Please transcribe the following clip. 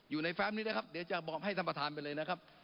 แฟมนี้นะครับเดี๋ยวจะบอกให้ท่านประธานไปเลยนะครับ